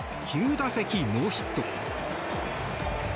９打席ノーヒット。